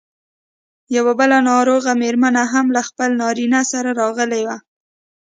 یوه بله ناروغه مېرمن هم له خپل نارینه سره راغلې وه.